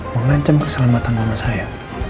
memancam keselamatan mama saya